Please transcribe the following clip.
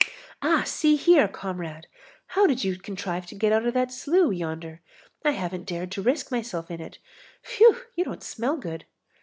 "Ah, see here, comrade, how did you contrive to get out of that slough yonder? I haven't dared to risk myself in it. Phew! you don't smell good."